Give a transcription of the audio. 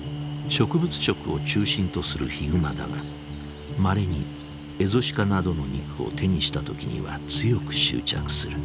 植物食を中心とするヒグマだがまれにエゾシカなどの肉を手にした時には強く執着する。